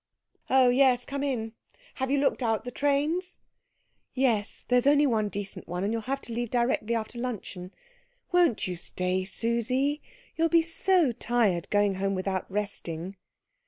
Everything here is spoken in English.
"Oh, yes, come in. Have you looked out the trains?" "Yes. There's only one decent one, and you'll have to leave directly after luncheon. Won't you stay, Susie? You'll be so tired, going home without resting."